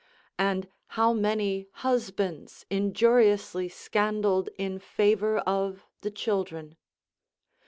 And how many husbands injuriously scandaled in favour of the children!